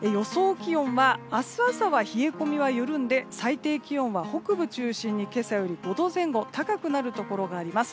気温は明日朝は冷え込みは緩んで最低気温は北部中心に今朝より５度前後高くなるところがあります。